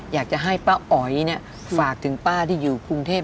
อยากจะให้ป้าอ๋อยฝากถึงป้าที่อยู่กรุงเทพ